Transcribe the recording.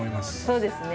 そうですね。